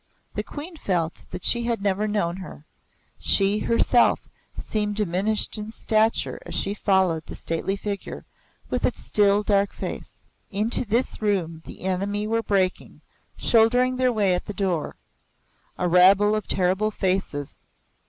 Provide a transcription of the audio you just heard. The Queen felt that she had never known her; she herself seemed diminished in stature as she followed the stately figure, with its still, dark face. Into this room the enemy were breaking, shouldering their way at the door a rabble of terrible faces.